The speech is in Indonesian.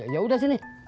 ya udah sini